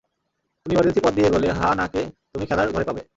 তুমি ইমার্জেন্সি পথ দিয়ে এগোলে হা-না কে তুমি খেলার ঘরে পাবে।